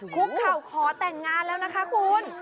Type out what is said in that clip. คุกเข่าขอแต่งงานแล้วนะคะคุณ